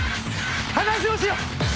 話をしよう。